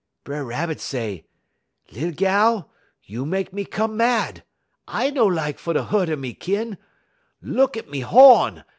B'er Rabbit say: "'Lil gal, you mek me 'come mad. I no lak fer hu't a me kin. Look at me ho'n!